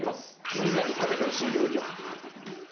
みんなに食べてほしい料理が。